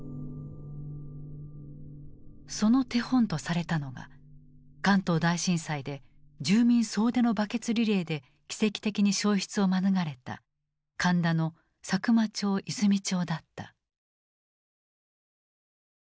その手本とされたのが関東大震災で住民総出のバケツリレーで奇跡的に焼失を免れた神田の佐久間町・和泉町だった。